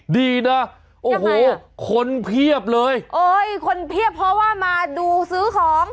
ดีนะโอ้โหคนเพียบเลยโอ้ยคนเพียบเพราะว่ามาดูซื้อของ